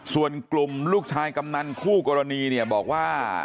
ส่วนกลุ่มลูกชายกำนันคู่กรณีเนี่ยบอกว่า